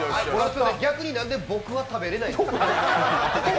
逆になんで僕は食べれない？